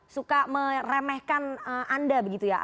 suka meremehkan anda begitu ya